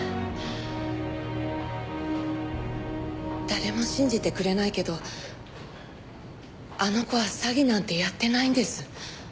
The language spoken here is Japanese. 誰も信じてくれないけどあの子は詐欺なんてやってないんです。